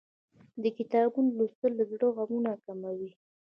د کتابونو لوستل له زړه غمونه کموي.